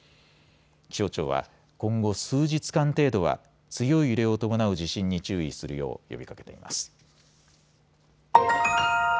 気象庁は今後、数日間程度は強い揺れを伴う地震に注意するよう呼びかけています。